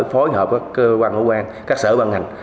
phối hợp với cơ quan hữu quan các sở băng hành